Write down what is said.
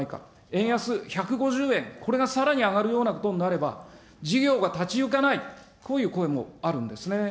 円安１５０円、これがさらに上がるようなことになれば、事業が立ち行かない、こういう声もあるんですね。